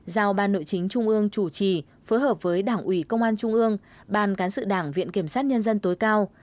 giao ban nội chính trung ương chủ trì phối hợp với đảng ủy công an trung ương ban cán sự đảng viện kiểm sát nhân dân tối cao